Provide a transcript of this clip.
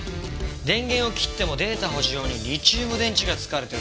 電源を切ってもデータ保持用にリチウム電池が使われてるタイプです。